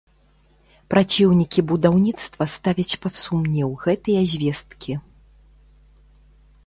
Праціўнікі будаўніцтва ставяць пад сумнеў гэтыя звесткі.